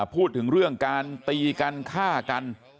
พูดถึงเรื่องการตีกันฆ่ากัน